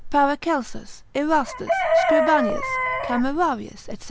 Paracelsus, Erastus, Scribanius, Camerarius, &c.